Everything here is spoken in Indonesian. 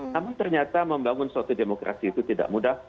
namun ternyata membangun suatu demokrasi itu tidak mudah